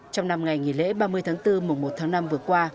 trong năm ngày nghỉ lễ ba mươi tháng bốn mùa một tháng năm vừa qua